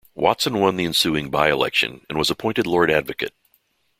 Watson won the ensuing by-election and was appointed Lord Advocate.